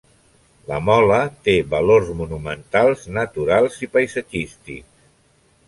La Mola té valors monumentals, naturals i paisatgístics.